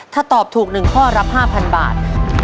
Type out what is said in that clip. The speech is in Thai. ถ้าตอบถูก๑ข้อรับ๕๐๐บาท